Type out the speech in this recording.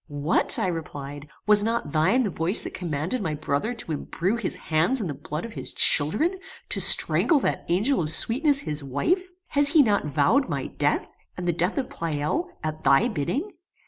"What!" I replied, "was not thine the voice that commanded my brother to imbrue his hands in the blood of his children to strangle that angel of sweetness his wife? Has he not vowed my death, and the death of Pleyel, at thy bidding?